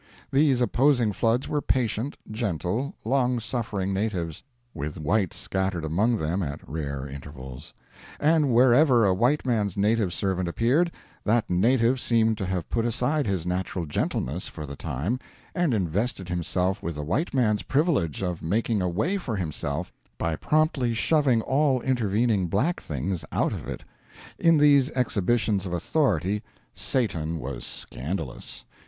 These opposing floods were patient, gentle, long suffering natives, with whites scattered among them at rare intervals; and wherever a white man's native servant appeared, that native seemed to have put aside his natural gentleness for the time and invested himself with the white man's privilege of making a way for himself by promptly shoving all intervening black things out of it. In these exhibitions of authority Satan was scandalous.